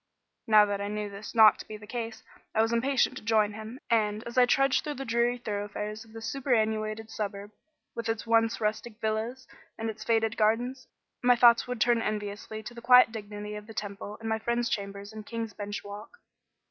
Now that I knew this not to be the case, I was impatient to join him; and, as I trudged through the dreary thoroughfares of this superannuated suburb, with its once rustic villas and its faded gardens, my thoughts would turn enviously to the quiet dignity of the Temple and my friend's chambers in King's Bench Walk.